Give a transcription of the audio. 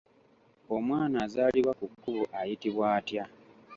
Omwana azaalibwa ku kkubo ayitibwa atya?